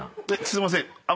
すいません！